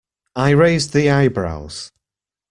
I raised the eyebrows.